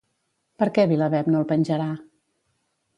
Per què VilaWeb no el penjarà?